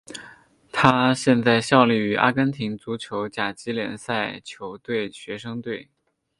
他现在效力于阿根廷足球甲级联赛球队学生队。